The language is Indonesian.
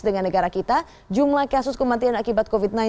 dengan negara kita jumlah kasus kematian akibat covid sembilan belas